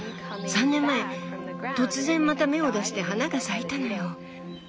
３年前突然また芽を出して花が咲いたのよ。